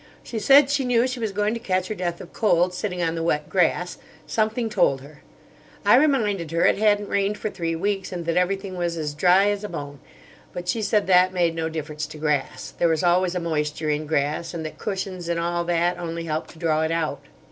She said she knew she was going to catch her death of cold, sitting on the wet grass. Something told her. I reminded her it hadn't rained for three weeks, and that everything was as dry as a bone, but she said that made no difference to grass. There is always a moisture in grass, and that cushions and all that only helped to draw it out.